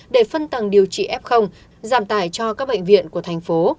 để phân tầng điều trị ép không giảm tài cho các bệnh viện của thành phố